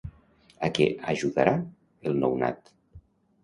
A què ajudarà el nounat?